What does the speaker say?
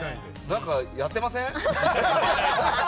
何かやってません？